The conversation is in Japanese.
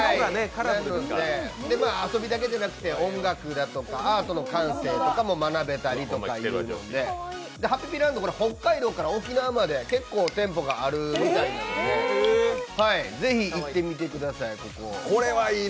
遊びだけでなくて音楽だとかアートの感性とかも学べたりということでハピピランド、北海道から沖縄まで結構店舗があるみたいなんて是非、行ってみてください、ここ。